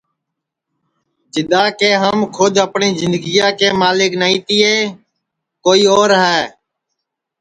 جِدؔا کہ ہم کھود اپٹؔی جِندگیا کے ملک نائی تیے کوئی اور ہے